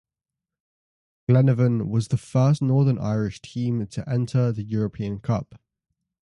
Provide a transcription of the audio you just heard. Glenavon was the first Northern Irish team to enter the European Cup.